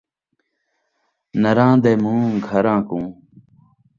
نرّاں دے مون٘ہہ گھراں کوں